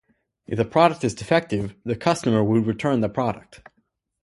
If the product is defective, the customer would return the product.